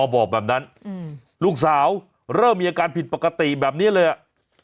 บอกแบบนั้นลูกสาวเริ่มมีอาการผิดปกติแบบนี้เลยอ่ะ